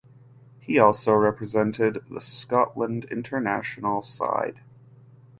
He also represented the Scotland international side.